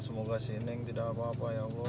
semoga si neng tidak apa apa ya allah